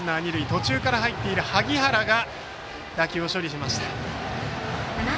途中から入っている萩原が打球を処理しました。